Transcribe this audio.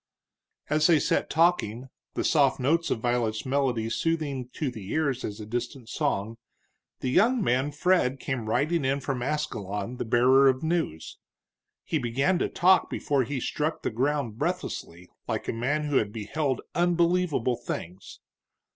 As they sat talking, the soft notes of Violet's melody soothing to the ears as a distant song, the young man Fred came riding in from Ascalon, the bearer of news. He began to talk before he struck the ground, breathlessly, like a man who had beheld unbelievable things.